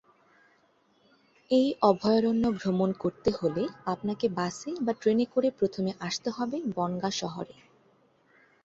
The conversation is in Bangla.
এই অভয়ারণ্য ভ্রমণ করতে হলে আপনাকে বাসে বা ট্রেনে করে প্রথমে আসতে হবে বনগাঁ শহরে।